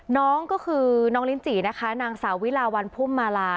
น้องก็คือน้องลินจินะคะนางสาววิลาวันพุ่มมาลา